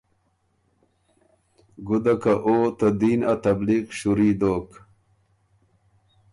ګُده که او ته دین ا تبلیغ شُوري دوک۔